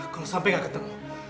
kalau sampai tidak ketemu